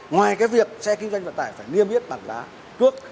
ngoài cái việc xe kinh doanh vận tải phải niêm yết bản lá cước